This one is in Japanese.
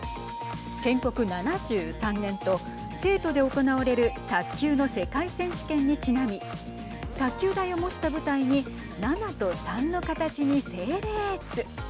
建国７３年と成都で行われる卓球の世界選手権にちなみ卓球台を模した舞台に７と３の形に整列。